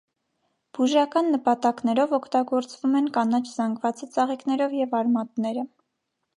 Բուժական նպատակներով օգտագործվում են կանաչ զանգվածը ծաղիկներով և արմատները։